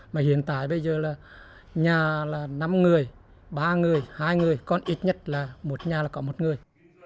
mà hiện tại bây giờ là nhà là năm người ba người hai người còn ít nhất là một nhà là có một người